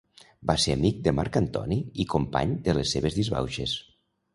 Va ser amic de Marc Antoni i company de les seves disbauxes.